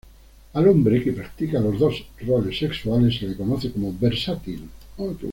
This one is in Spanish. Al hombre que practica los dos roles sexuales se le conoce como versátil.